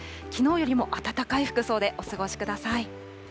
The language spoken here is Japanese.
きのうよりも暖かい服装でお過ごしください。